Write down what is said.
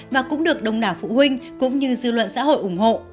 và cũng được đồng đảo phụ huynh cũng như dư luận xã hội ủng hộ